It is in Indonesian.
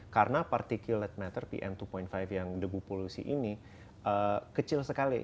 karena particulate matter pm dua lima yang degup polusi ini kecil sekali